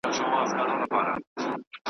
شپه به مي وباسي له ښاره څخه .